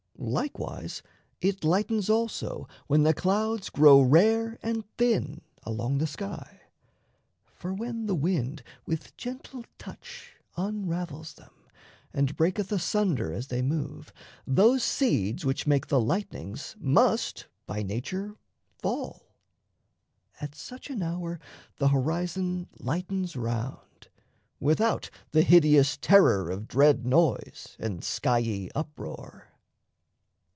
Likewise, it lightens also when the clouds Grow rare and thin along the sky; for, when The wind with gentle touch unravels them And breaketh asunder as they move, those seeds Which make the lightnings must by nature fall; At such an hour the horizon lightens round Without the hideous terror of dread noise And skiey uproar.